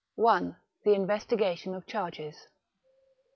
— L THE INVESTIGATION OF CHARGES.